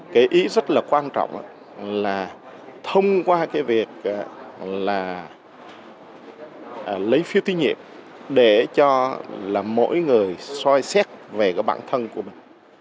cái ý rất là quan trọng là thông qua cái việc là lấy phiếu tiết nhiệm để cho là mỗi người soi xét về cái bản thân của mình